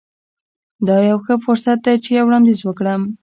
دا یو ښه فرصت دی چې یو وړاندیز وکړم